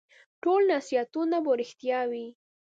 ټول نصیحتونه به رېښتیا وي ؟